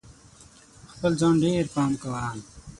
په خپل ځان ډېر پام کوه!